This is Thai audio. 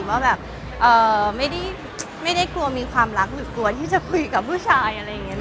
ไม่ได้กลัวมีความรักหรือกลัวที่จะคุยกับผู้ชาย